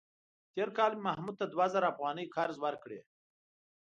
تېر کال مې محمود ته دوه زره افغانۍ قرض ورکړې.